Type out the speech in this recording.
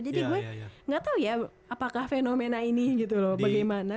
jadi gue nggak tahu ya apakah fenomena ini gitu loh bagaimana